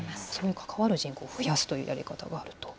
関わる人口を増やすというやり方があると。